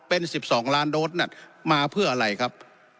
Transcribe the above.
เป็นสิบสองล้านโดดน่ะมาเพื่ออะไรครับ